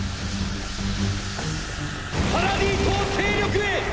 パラディ島勢力へ！！